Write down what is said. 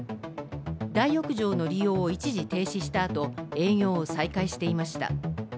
大浴場の利用を一時停止した後、営業を再開していました。